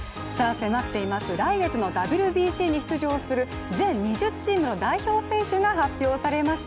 迫っています、来月のＷＢＣに出場する全２０チームの代表選手が発表されました。